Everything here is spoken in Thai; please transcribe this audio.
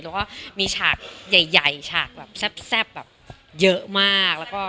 แล้วก็มีฉากใหญ่ฉากแซ่บเยอะมาก